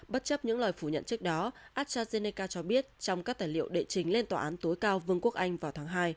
bất chấp những lời phủ nhận trước đó astrazeneca cho biết trong các tài liệu đệ trình lên tòa án tối cao vương quốc anh vào tháng hai